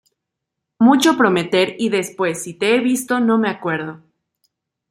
Mucho prometer y después si te he visto no me acuerdo